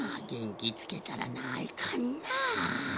げんきつけたらないかんな。